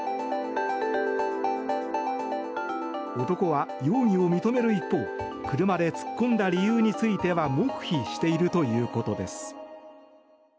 男は容疑を認める一方車で突っ込んだ理由については黙秘しているということです。